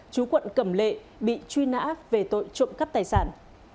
chú quận cẩm lệ bị truy nã về tội trộm cắp tài sản